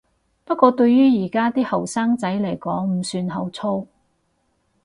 不過對於而家啲後生仔來講唔算好粗